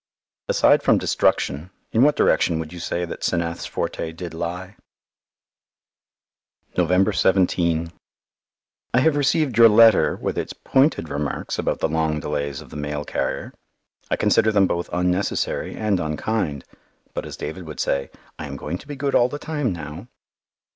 Aside from destruction, in what direction would you say that 'Senath's forte did lie? November 17 I have received your letter with its pointed remarks about the long delays of the mail carrier. I consider them both unnecessary and unkind. But as David would say, "I am going to be good all the time now."